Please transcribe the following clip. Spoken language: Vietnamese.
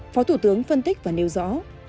phó thủ tướng phân tích và nêu rõ